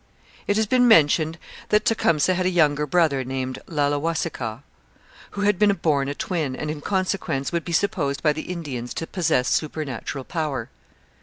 It has been mentioned that Tecumseh had a younger brother named Laulewasikaw, who had been born a twin, and, in consequence, would be supposed by the Indians to possess supernatural power.